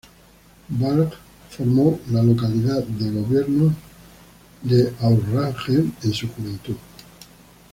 Balj formó la localidad de gobierno de Aurangzeb en su juventud.